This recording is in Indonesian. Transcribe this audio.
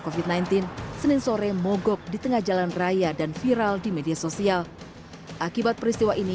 covid sembilan belas senin sore mogok di tengah jalan raya dan viral di media sosial akibat peristiwa ini